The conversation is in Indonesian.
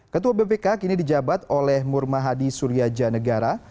ketua bpk kini dijabat oleh murmahadi surya janegara